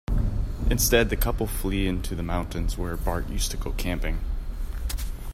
Instead, the couple flee into the mountains where Bart used to go camping.